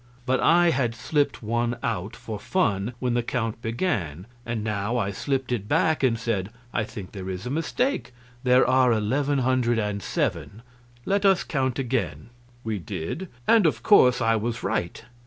But I had slipped one out, for fun, when the count began, and now I slipped it back and said, 'I think there is a mistake there are eleven hundred and seven; let us count again.' We did, and of course I was right.